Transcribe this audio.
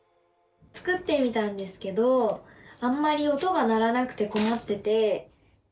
作ってみたんですけどあんまり音が鳴らなくてこまってて。